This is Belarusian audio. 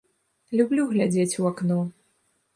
Люблю глядзець у акно.